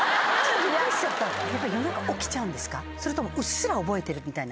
それともうっすら覚えてるみたいな？